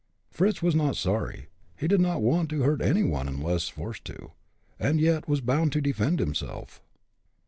Fritz was not sorry. He did not want to hurt any one unless forced to, and yet was bound to defend himself.